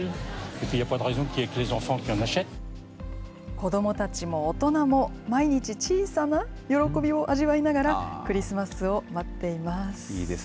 子どもたちも大人も、毎日小さな喜びを味わいながら、クリスマスを待っています。